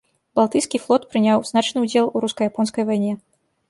Балтыйскі флот прыняў значны ўдзел у руска-японскай вайне.